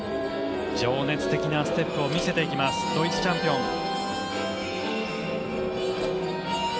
情熱的なステップを見せていきますドイツチャンピオン。